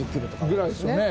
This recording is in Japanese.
ぐらいですよね。